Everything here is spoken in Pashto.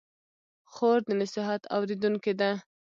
خور د نصیحت اورېدونکې ده.